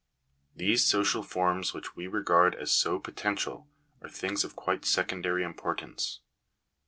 These social forms which we regard as so potential, are things of quite secondary importance.